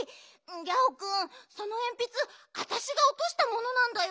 ギャオくんそのえんぴつわたしがおとしたものなんだよ。